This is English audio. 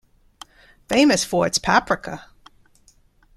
Famous for its paprika.